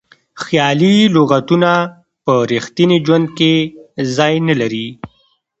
خیالي لغتونه په ریښتیني ژوند کې ځای نه لري.